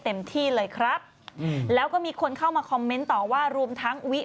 อันนี้ก็เกินไป